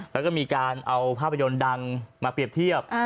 แล้วก็มีการเอาภาพยนตร์ดังมาเปรียบเทียบ